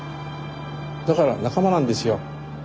だから仲間なんですよ。